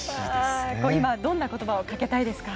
今、どんな言葉をかけたいですか？